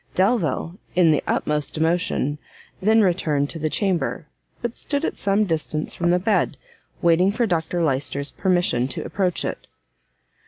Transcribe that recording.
Delvile, in the utmost emotion, then returned to the chamber; but stood at some distance from the bed, waiting Dr Lyster's permission to approach it.